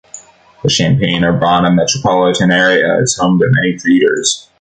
The Champaign-Urbana Metropolitan Area is home to many theatres.